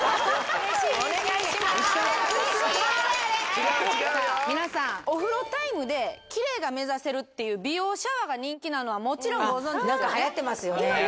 違う違うよ皆さんお風呂タイムでキレイが目指せるっていう美容シャワーが人気なのはもちろんご存じですよね